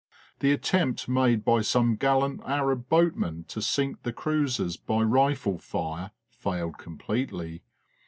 The attempt made by some gallant Arab boatmen to sink the 69 70 FORGOTTEN WARFARE cruisers by rifle fire failed completely.